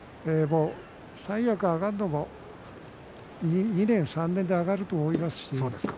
三役へ上がるのも２年３年で上がると思いますね。